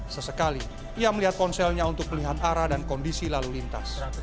sesekali ia melihat ponselnya untuk melihat arah dan kondisi lalu lintas